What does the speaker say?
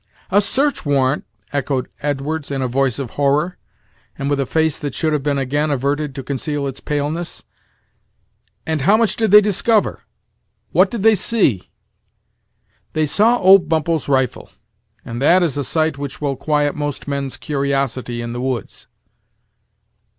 "A search warrant!" echoed Edwards, in a voice of horror, and with a face that should have been again averted to conceal its paleness; "and how much did they discover? What did they see?" "They saw old Bumppo's rifle; and that is a sight which will quiet most men's curiosity in the woods."